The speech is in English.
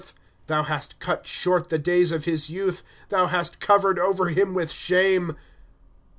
Thou hast cut short the days of his youth ; Thou hast covered over him with shame.